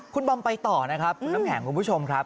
คุณบอมไปต่อนะครับคุณน้ำแข็งคุณผู้ชมครับ